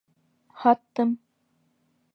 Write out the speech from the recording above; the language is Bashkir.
Һаттым!